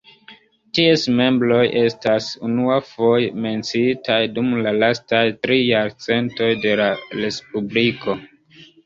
Ties membroj estas unuafoje menciitaj dum la lastaj tri jarcentoj de la Respubliko.